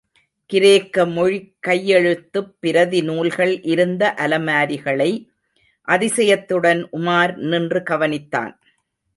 கிரேக்க மொழிக்கையெழுத்துப் பிரதி நூல்கள் இருந்த அலமாரிகளை, அதிசயத்துடன் உமார் நின்று கவனித்தான்.